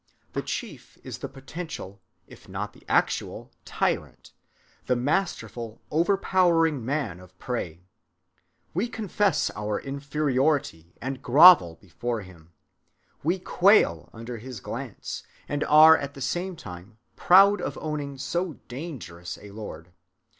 The chief is the potential, if not the actual tyrant, the masterful, overpowering man of prey. We confess our inferiority and grovel before him. We quail under his glance, and are at the same time proud of owning so dangerous a lord.